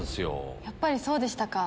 やっぱりそうでしたか。